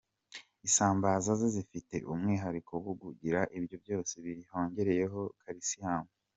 Isambaza zo zifite umwihariko wo kugira ibyo byose hiyongereyeho Calcium.